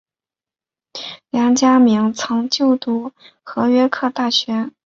梁嘉铭曾就读和约克大学。